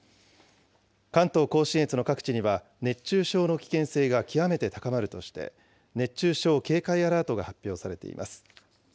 関東甲信越の各地では熱中症の危険性が極めて高まるとして、熱中症警戒アラートが発表されています。